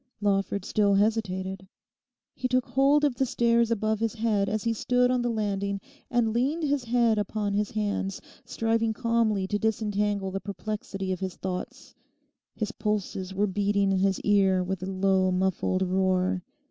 Lawford still hesitated. He took hold of the stairs above his head as he stood on the landing and leaned his head upon his hands, striving calmly to disentangle the perplexity of his thoughts. His pulses were beating in his ear with a low muffled roar.